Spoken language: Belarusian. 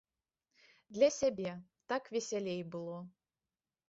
Для сябе, так весялей было.